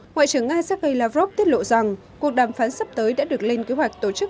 ngoại trưởng nga sergei lavrov tiết lộ rằng cuộc đàm phán sắp tới đã được lên kế hoạch tổ chức